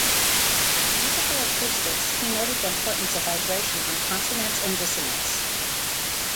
In musical acoustics, he noted the importance of vibration on consonance and dissonance.